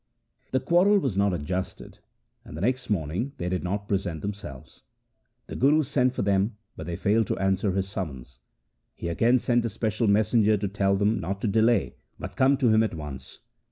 The quarrel was not adjusted, and next morning they did not present themselves. The Guru sent for them, but they failed to answer his summons. He again sent a special messenger to tell them not to delay, but come to him at once.